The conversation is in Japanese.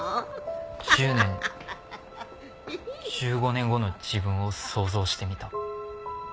１０年１５年後の自分を想像してみた。